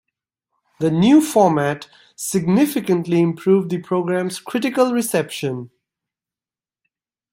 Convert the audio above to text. The new format significantly improved the program's critical reception.